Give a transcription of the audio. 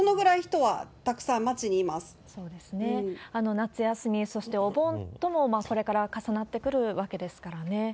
夏休み、そしてお盆とも、これから重なってくるわけですからね。